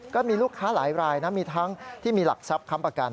ก็มีลูกค้าหลายรายนะมีทั้งที่มีหลักทรัพย์ค้ำประกัน